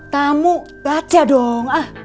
tamu baca dong ah